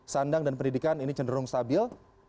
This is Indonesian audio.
sandang dan pendidikan ini cenderung stabil